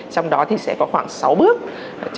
trong đó thì sẽ có khoảng sáu bước